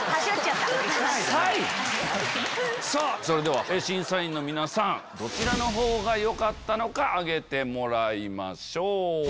それでは審査員の皆さんどちらのほうがよかったのか挙げてもらいましょう。